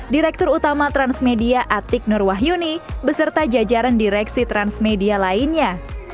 direktur utama transmedia atik nurwahyuni beserta jajaran direksi transmedia lainnya